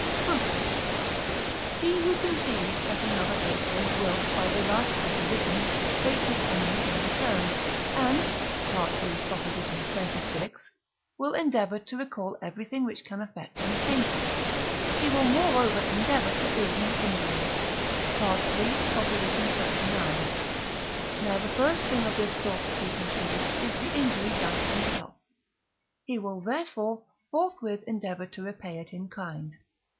Proof. He who conceives, that another hates him, will (by the last proposition) hate his enemy in return, and (III. xxvi.) will endeavour to recall everything which can affect him painfully; he will moreover endeavour to do him an injury (III. xxxix.). Now the first thing of this sort which he conceives is the injury done to himself; he will, therefore, forthwith endeavour to repay it in kind.